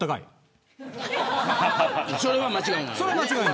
それは間違いない。